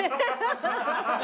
ハハハハッ。